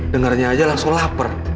dengarnya aja langsung lapar